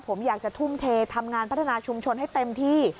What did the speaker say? ผมอยากจะทุ่มเททำงานพัฒนาชุมชนให้เต็มที่